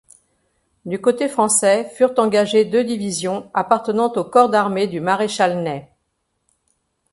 Du côté français furent engagées deux divisions appartenant au corps d'armée du maréchal Ney.